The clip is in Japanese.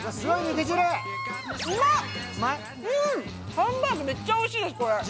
ハンバーグめっちゃおいしいです。